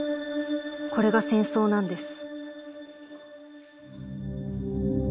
これが戦争なんです」。